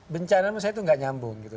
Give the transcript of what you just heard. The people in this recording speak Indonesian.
yang pertama saya itu gak nyambung